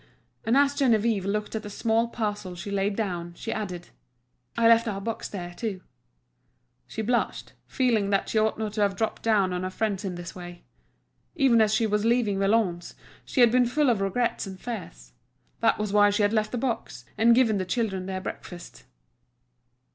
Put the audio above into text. And as Geneviève looked at the small parcel she had laid down, she added: "I left our box there too." She blushed, feeling that she ought not to have dropped down on her friends in this way. Even as she was leaving Valognes, she had been full of regrets and fears; that was why she had left the box, and given the children their breakfast.